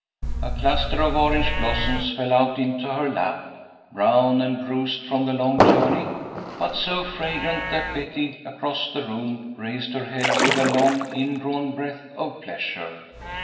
A cluster of orange blossoms fell out into her lap, brown and bruised from the long journey, but so fragrant, that Betty, across the room, raised her head with a long indrawn breath of pleasure.